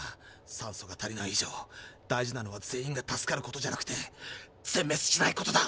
酸素が足りない以上大事なのは全員が助かることじゃなくて全めつしないことだ。